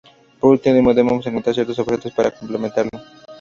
Por último, debemos encontrar ciertos objetos para completarlo.